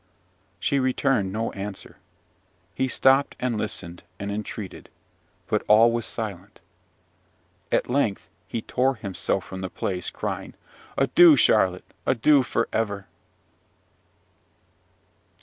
She returned no answer. He stopped, and listened and entreated; but all was silent. At length he tore himself from the place, crying, "Adieu, Charlotte, adieu for ever!"